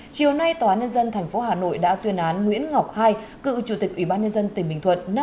chiều nay tòa án nhân dân tp hà nội đã tuyên án nguyễn ngọc hai cựu chủ tịch ủy ban nhân dân tỉnh bình thuận